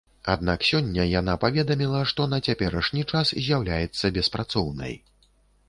Аднак сёння яна паведаміла, што на цяперашні час з'яўляецца беспрацоўнай.